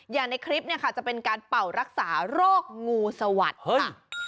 ในคลิปเนี่ยค่ะจะเป็นการเป่ารักษาโรคงูสวัสดิ์ค่ะ